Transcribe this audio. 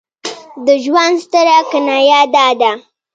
د ژوند ستره کنایه دا ده.